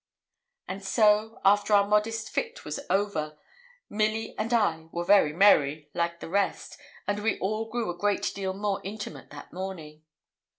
And so, after our modest fit was over, Milly and I were very merry, like the rest, and we all grew a great deal more intimate that morning.